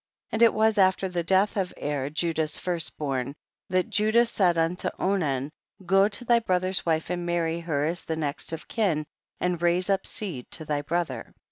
25. And it was after the death of Er, Judah's first born, that Judah said unto Onan, go to thy brother's wife and marry her as the next of kin, and raise up seed to thy brother.